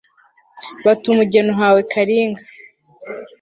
bati umugeni uhawe kalinga